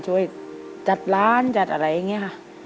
ช่วยจัดร้านจัดอะไรอย่างนี้ค่ะ